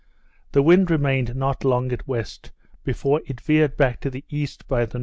The wind remained not long at west, before it veered back to the E. by the N.